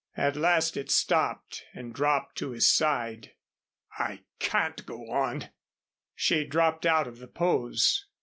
At last it stopped and dropped to his side. "I can't go on." She dropped out of the pose.